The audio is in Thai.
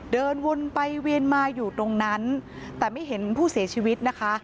เดินวนไปเวียนมาอยู่ตรงนั้นแต่ไม่เห็นผู้เสียชีวิตนะคะ